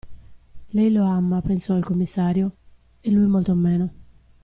Lei lo ama, pensò il commissario, e lui molto meno.